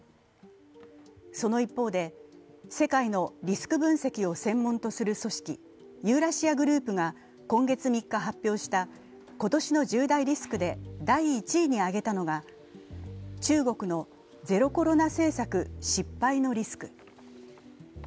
その一方で、世界のリスク分析を専門とする組織、ユーラシアグループが今月３日発表した今年の重大リスクで第１位に挙げたのが、中国のゼロコロナ政策失敗のリスク。